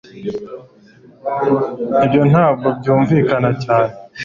ibyo ntabwo byumvikana cyane